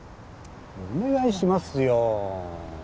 お願いしますよ。